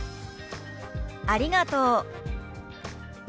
「ありがとう」。